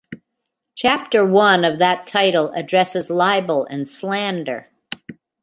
Chapter one of that title addresses libel and slander.